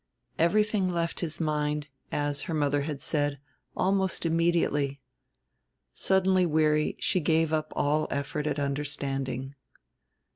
Everything left his mind, as her mother had said, almost immediately. Suddenly weary, she gave up all effort at understanding.